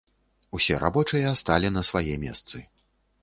Усе рабочыя сталі на свае месцы.